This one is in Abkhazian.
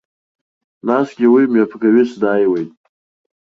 Насгьы уи мҩаԥгаҩыс даиуеит.